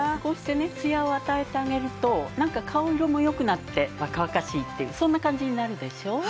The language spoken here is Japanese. こうしてねツヤを与えてあげるとなんか顔色も良くなって若々しいっていうそんな感じになるでしょ？